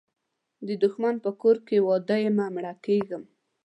د دښمن په کور واده یمه مړه کیږم